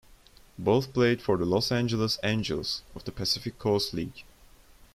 Both played for the Los Angeles Angels of the Pacific Coast League.